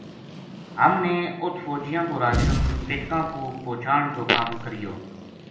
ہم نے اُت فوجیاں کو راشن پِٹکاں پو پوہچان کو کم کریو